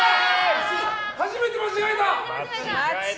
初めて間違えた！